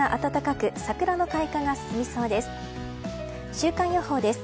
週間予報です。